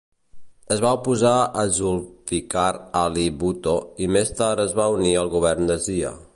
Es va oposar a Zulfikar Ali Bhutto i més tard es va unir al govern de Zia.